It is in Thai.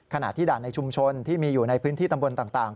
ขณะที่ด่านในชุมชนที่มีอยู่ในพื้นที่ตำบลต่าง